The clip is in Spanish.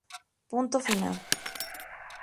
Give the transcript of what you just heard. Punto final".